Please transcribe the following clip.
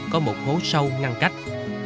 có một hố sâu ngăn cách